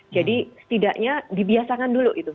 jadi setidaknya dibiasakan dulu itu